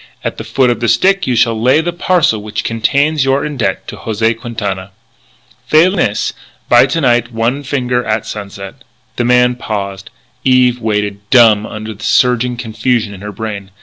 At the foot of the stick you shall lay the parcel which contains your indebt to José Quintana. "Failing this, by to night one finger at sunset." The man paused: Eve waited, dumb under the surging confusion in her brain.